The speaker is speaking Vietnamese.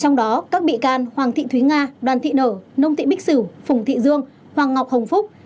trong đó các bị can hoàng thị thúy nga đoàn thị nở nông thị bích sử phùng thị dương hoàng ngọc hồng phúc